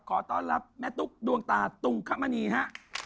ขอต้อนรับแม่ตุ๊กดวงตาตุงคมณีฮะ